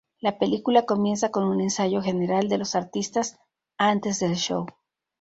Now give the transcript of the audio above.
La película comienza con un ensayo general de los artistas antes del show.